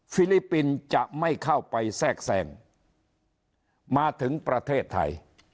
ลิปปินส์จะไม่เข้าไปแทรกแทรงมาถึงประเทศไทย